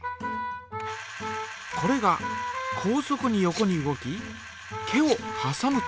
これが高速に横に動き毛をはさむと。